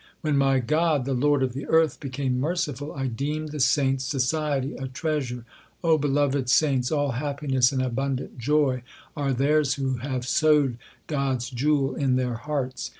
When my God the Lord of the earth became merciful, I deemed the saints society a treasure. O beloved saints, all happiness and abundant joy are theirs who have sewed God s jewel in their hearts.